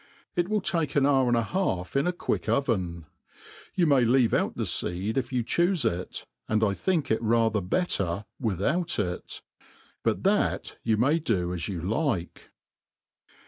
It will take an hour ?n.d a half in .a j^iuick oven. You may leave out the feed if you choofe it, an4 X thiok it rather better without ix j but iba^t ypu i^y .do i^ yo^ like.